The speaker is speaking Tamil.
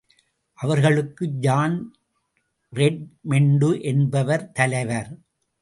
அவர்களுக்கு ஜான் ரெட்மெண்டு என்பவர் தலைவர்.